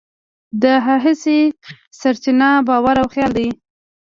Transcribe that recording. د هڅې سرچینه باور او خیال دی.